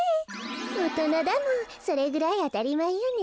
おとなだもんそれぐらいあたりまえよね。